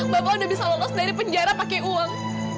bapak anda bisa lolos dari penjara pakai uang